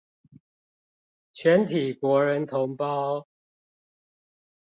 全體國人同胞